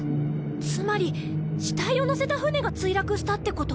つまり死体を乗せた船が墜落したってこと？